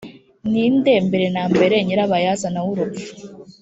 ni nde mbere na mbere nyirabayazana w urupfu